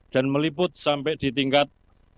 dan meliput sampai di tingkat